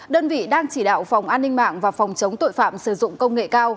đơn vị đang chỉ đạo phòng an ninh mạng và phòng chống tội phạm sử dụng công nghệ cao